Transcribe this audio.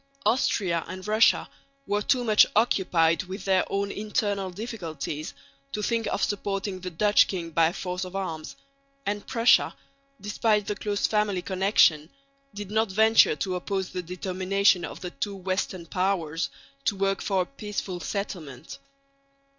Austria and Russia were too much occupied with their own internal difficulties to think of supporting the Dutch king by force of arms; and Prussia, despite the close family connection, did not venture to oppose the determination of the two western Powers to work for a peaceful settlement.